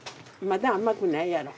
まだ甘くないやろ。